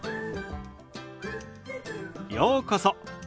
ようこそ。